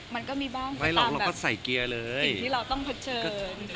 มันก็มีบ้างก็ตามแบบสิ่งที่เราต้องเผชิญ